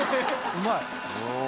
うまい！